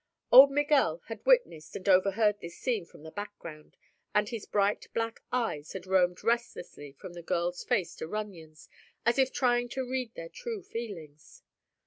Old Miguel had witnessed and overheard this scene from the background and his bright black eyes had roamed restlessly from the girl's face to Runyon's as if trying to read their true feelings.